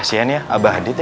kasian ya abah adit ya